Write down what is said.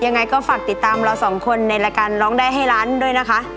ยังไงก็ฝากติดตามเราสองคนในรายการร้องได้ให้ร้านด้วยนะคะ